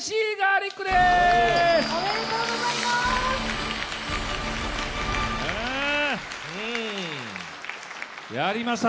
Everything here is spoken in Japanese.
おめでとうございます！